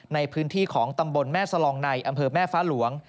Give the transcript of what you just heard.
ในพื้นที่ของตำบลแม่สลองในอำเภอแม่ฟ้าหลวง